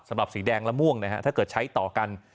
สำหรับสีแดงและม่วงนะครับถ้าเกิดใช้ต่อกัน